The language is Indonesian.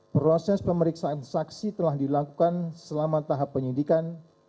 proses pemeriksaan saksi telah dilakukan selama tahap penyidikan